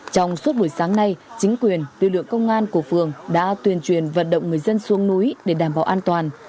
trong suốt buổi sáng nay chính quyền tư lượng công an của phường đã tuyên truyền vận động người dân xuống núi để đảm bảo an toàn